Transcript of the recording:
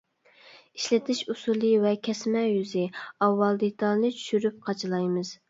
ئىشلىتىش ئۇسۇلى ۋە كەسمە يۈزى: ئاۋۋال دېتالنى چۈشۈرۈپ قاچىلايمىز.